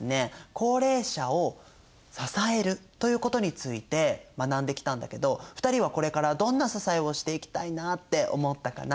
「高齢者を支える」ということについて学んできたんだけど２人はこれからどんな支えをしていきたいなって思ったかな？